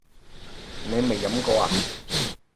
你未飲過呀？